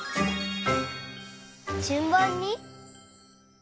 じゅんばんに？